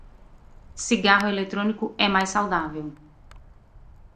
Cigarro eletrônico é mais saudável